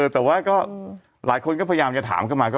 แต่ว่าก็หลายคนก็พยายามจะถามเข้ามา